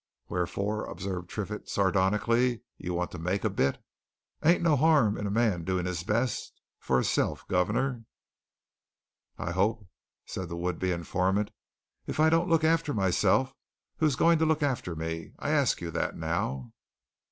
"Wherefore," observed Triffitt sardonically, "you want to make a bit." "Ain't no harm in a man doing his best for his elf, guv'nor, I hope," said the would be informant. "If I don't look after myself, who's a going to look after me I asks you that, now?"